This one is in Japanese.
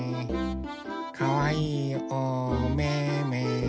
かわいいおめめ。